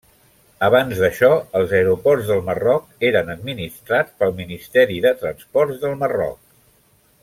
Abans d'això, els aeroports del Marroc eren administrats pel Ministeri de Transports del Marroc.